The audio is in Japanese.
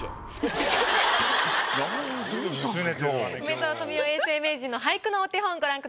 梅沢富美男永世名人の俳句のお手本ご覧ください。